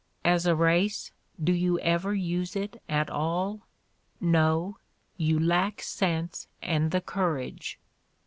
... As a race, do you ever use it at all 1 No ; you lack sense and the courage."